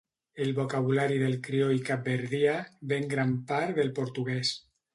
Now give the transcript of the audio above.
El vocabulari del crioll capverdià ve en gran part del portuguès.